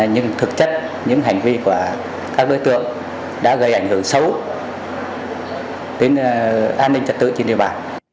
nhưng thực chất những hành vi của các đối tượng đã gây ảnh hưởng xấu đến an ninh trật tự trên địa bàn